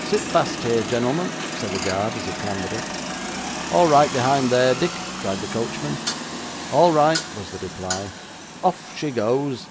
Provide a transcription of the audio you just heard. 'Sit fast here, genelmen,' said the guard as he clambered up. 'All right behind there, Dick?' cried the coachman. 'All right,' was the reply. 'Off she goes!